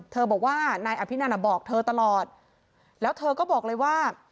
บอกว่านายอภินันอ่ะบอกเธอตลอดแล้วเธอก็บอกเลยว่า